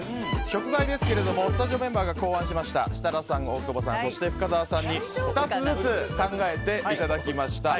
食材ですがスタジオメンバーが考案した設楽さん、大久保さん深澤さんに２つずつ考えていただきました。